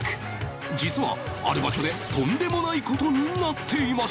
実はある場所でとんでもない事になっていました